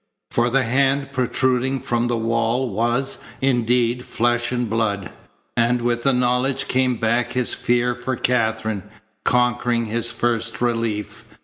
For the hand protruding from the wall was, indeed, flesh and blood, and with the knowledge came back his fear for Katherine, conquering his first relief.